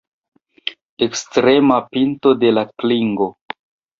Ekstrema pinto de la klingo.